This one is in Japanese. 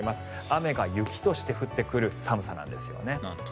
雨が雪として降ってくる寒さなんですよね。